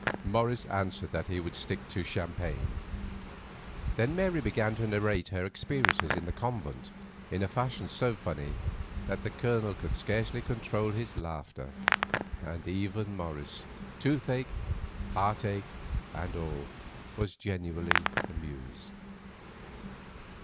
Morris answered that he would stick to champagne. Then Mary began to narrate her experiences in the convent in a fashion so funny that the Colonel could scarcely control his laughter, and even Morris, toothache, heartache, and all, was genuinely amused.